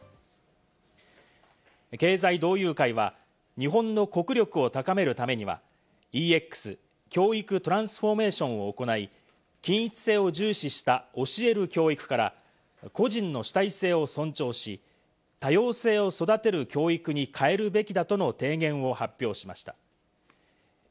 経済同友会は日本の国力を高めるためにはＥＸ＝教育トランスフォーメーションを行い、均一性を重視した教える教育から個人の主体性を尊重し、多様性を育てる教育に変えるべきだとの提言を発表しました。